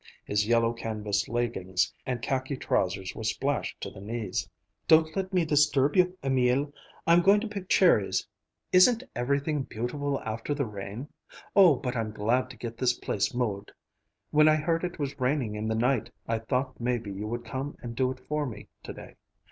His yellow canvas leggings and khaki trousers were splashed to the knees. "Don't let me disturb you, Emil. I'm going to pick cherries. Isn't everything beautiful after the rain? Oh, but I'm glad to get this place mowed! When I heard it raining in the night, I thought maybe you would come and do it for me to day.